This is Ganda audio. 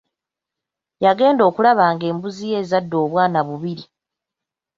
Yagenda okulaba nga embuzi ye ezadde obwana bubiri.